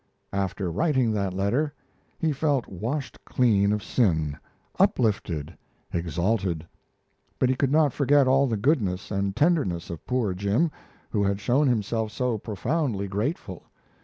After writing that letter, he felt washed clean of sin, uplifted, exalted. But he could not forget all the goodness and tenderness of poor Jim, who had shown himself so profoundly grateful.